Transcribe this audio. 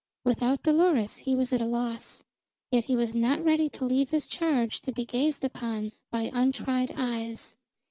Without Dolores he was at a loss; yet he was not ready to leave his charge to be gazed upon by untried eyes.